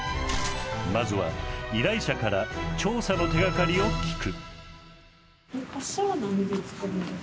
まずは依頼者から調査の手がかりを聞く。